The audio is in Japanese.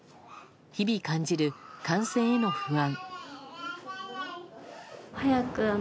日々感じる感染への不安。